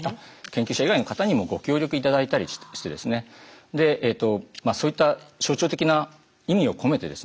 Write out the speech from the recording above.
研究者以外の方にもご協力頂いたりしてですねそういった象徴的な意味を込めてですね